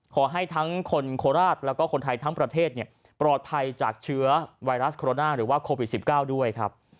ขอให้ทั้งคนโคราชแล้วก็คนไทยทั้งประเทศปลอดภัยจากเชื้อไวรัสโคโรนาหรือว่าโควิด๑๙ด้วยครับ